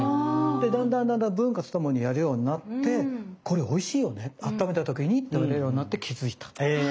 だんだんだんだん文化とともにやるようになってこれおいしいよねあっためた時に食べれるようになって気付いたと。